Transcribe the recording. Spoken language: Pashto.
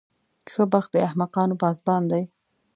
ښه بخت د احمقانو پاسبان دی.